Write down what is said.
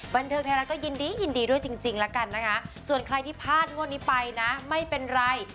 บันเทิงไทยรัฐก็ยินดียินดีด้วยจริงแล้วกันนะคะส่วนใครที่พลาดงวดนี้ไปนะไม่เป็นไร